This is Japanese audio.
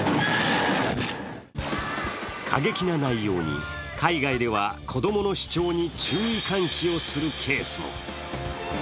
過激な内容に海外では子供の視聴に注意喚起をするケースも。